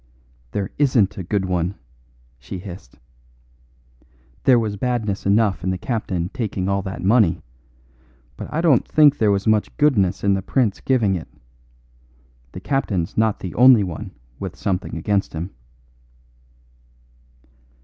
"There isn't a good one," she hissed. "There was badness enough in the captain taking all that money, but I don't think there was much goodness in the prince giving it. The captain's not the only one with something against him."